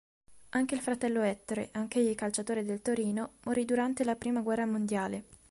Anche il fratello Ettore, anch'egli calciatore del Torino, morì durante la prima guerra mondiale.